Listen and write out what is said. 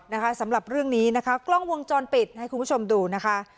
นะคะสำหรับเรื่องนี้นะคะกล้องวงจรปิดให้คุณผู้ชมดูนะคะ